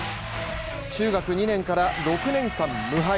中学２年から６年間、無敗。